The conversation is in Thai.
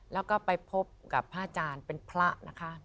แล้วก็ไปพบกับพระอาจารย์เป็นพระนะคะ